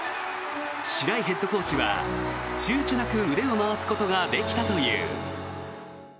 白井ヘッドコーチは躊躇なく腕を回すことができたという。